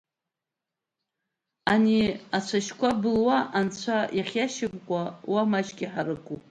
Ани ацәашьқәа былуа анцәа иахьиашьапкуа уа маҷк иҳаракуп.